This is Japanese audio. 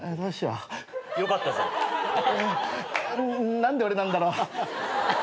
うぅ何で俺なんだろう？